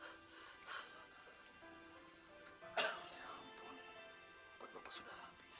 obat bapak sudah habis